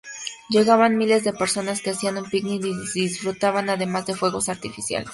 Llegaban miles de personas, que hacían un picnic y disfrutaban además de fuegos artificiales.